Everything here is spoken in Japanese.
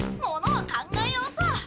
ものは考えようさ！